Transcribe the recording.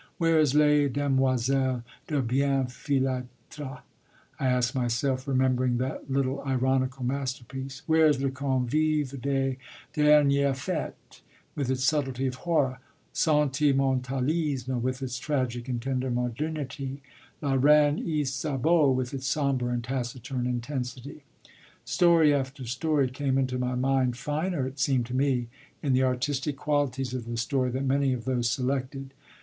Where is Les Demoiselles de Bienfilâtre? I asked myself, remembering that little ironical masterpiece; where is Le Convive des Dernières Fêtes, with its subtlety of horror; Sentimentalisme, with its tragic and tender modernity; La Reine Ysabeau, with its sombre and taciturn intensity? Story after story came into my mind, finer, it seemed to me, in the artistic qualities of the story than many of those selected.